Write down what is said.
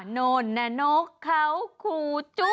โน่นนกเขาคูจุ๊ก